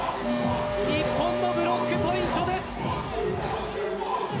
日本のブロックポイントです。